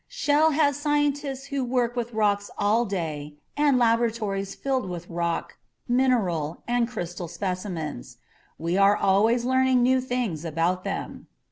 Shell has scientists who work with rocks all day and laboratories filled with rock, mineral and crystal specimens. We are always learning new things about them.